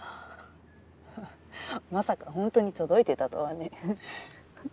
まさか本当に届いてたとはね。